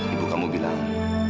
ibu kamu bilang